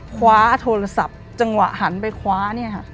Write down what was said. คว้าโทรศัพท์จังหวะหันไปคว้าเนี่ยค่ะ